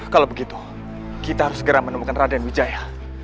kalau begitu kita harus segera menemukan raden wijaya